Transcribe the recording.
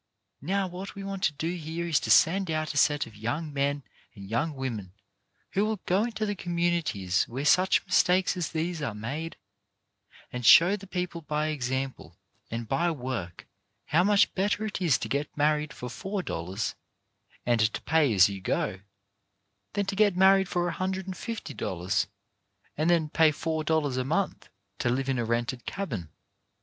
Now what we want to do here is to send out a set of young men and young women who will go into the com munities where such mistakes as these are made, and show the people by example and by work how much better it is to get married for four dollars, and to pay as you go, than to get married for a hundred and fifty dollars, and then pay four dollars a month to live in a rented cabin.